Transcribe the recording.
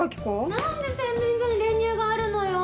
何で洗面所に練乳があるのよ？